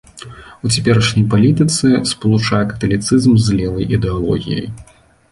У цяперашняй палітыцы спалучае каталіцызм з левай ідэалогіяй.